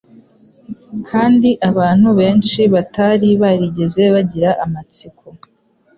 kandi abantu benshi batari barigeze bagira amatsiko